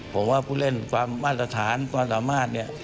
ผมว่าผู้เล่นความมาตรฐานความสามารถเนี่ย